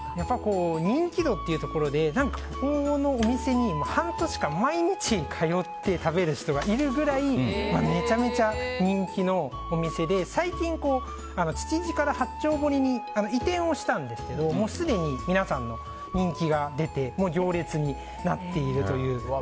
人気度というところでここのお店に半年間毎日通って食べる人がいるくらいめちゃめちゃ人気のお店で最近、築地から八丁堀に移転をしたんですがすでに皆さんの人気が出て行列になっているという。